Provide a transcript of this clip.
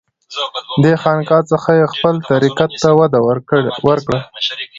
دې خانقاه څخه یې خپل طریقت ته وده ورکړه.